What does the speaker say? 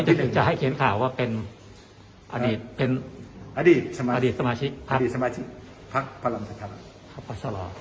วันนี้จริงจะให้เขียนข่าวว่าเป็นอดีตสมาชิกพรรคพลังสัตว์ศาลอร์